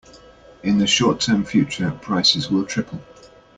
In the short term future, prices will triple.